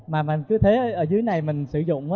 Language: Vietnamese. mà mình cứ thế ở dưới này mình sử dụng